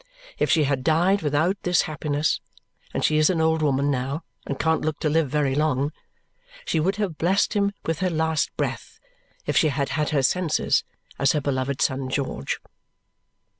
If she had died without this happiness and she is an old woman now and can't look to live very long she would have blessed him with her last breath, if she had had her senses, as her beloved son George.